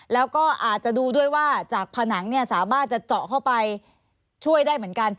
แล้วก็อาจจะดูด้วยว่าจากผนังสามารถจะเจาะเข้าไปช่วยได้เหมือนกัน